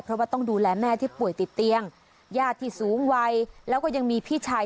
เพราะว่าต้องดูแลแม่ที่ป่วยติดเตียงญาติที่สูงวัยแล้วก็ยังมีพี่ชาย